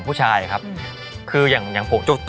พี่อายกับพี่อ๋อมไม่ได้ครับ